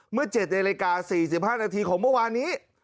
เมื่อ๗นาฬิกา๔๕นาทีของเมื่อวานนี้